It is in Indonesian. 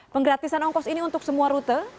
penggratisan ongkos ini untuk semua rute